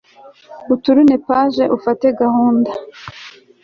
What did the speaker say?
uturune page ufate gahunda